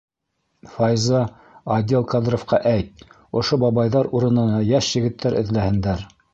Файза, отдел кадровка әйт, ошо бабайҙар урынына йәш егеттәр эҙләһендәр!